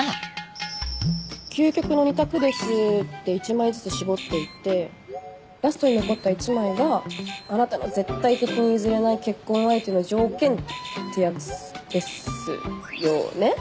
「究極の二択です」って１枚ずつ絞っていってラストに残った１枚があなたの絶対的に譲れない結婚相手の条件ってやつですよね？